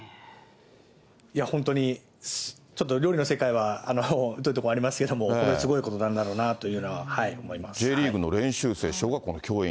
いや、本当に、ちょっと料理の世界は疎いとこありますけど、ものすごいことなんＪリーグの練習生、小学校の教員。